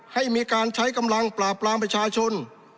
ให้มีการใช้กำลังปราบปรามประชาชน